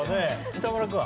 北村君。